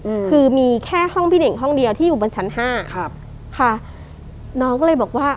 อืมคือมีแค่ห้องพี่เน่งห้องเดียวที่อยู่บนชั้นห้าครับค่ะน้องก็เลยบอกว่า